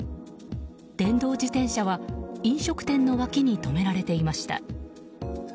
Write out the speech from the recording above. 電動自転車は飲食店の脇に止められていました。